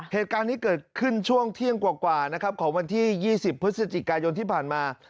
เหตุการณ์นี้เกิดขึ้นช่วงเที่ยงกว่านะครับของวันที่๒๐พฤศจิกายนที่ผ่านมา